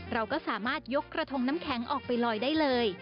เราก็สามารถยกกระทงน้ำแข็งออกไปลอยได้เลย